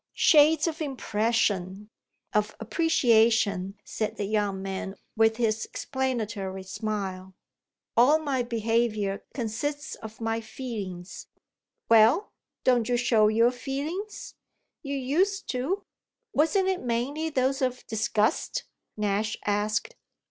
"Shades of impression, of appreciation," said the young man with his explanatory smile. "All my behaviour consists of my feelings." "Well, don't you show your feelings? You used to!" "Wasn't it mainly those of disgust?" Nash asked.